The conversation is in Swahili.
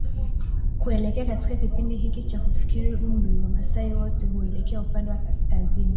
Kuelekea katika kipindi hiki cha kufikia umri Wamaasai wote huelekea upande wa kaskazini